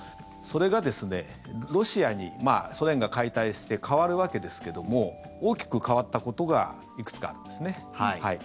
それがロシアに、ソ連が解体して変わるわけですけども大きく変わったことがいくつかあるんですね。